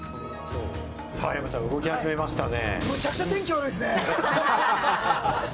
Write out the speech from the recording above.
さあ山ちゃん、動き始めましたね。